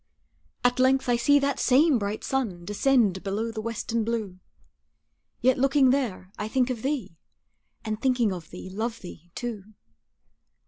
At length I see that same bright sun Descend below the western blue, Yet looking there, I think of thee, And thinking of thee love thee, too.